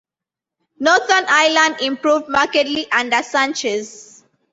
Northern Ireland improved markedly under Sanchez.